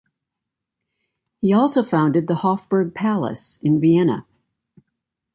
He also founded the Hofburg Palace in Vienna.